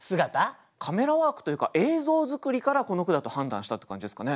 カメラワークというか映像作りからこの句だと判断したって感じですかね。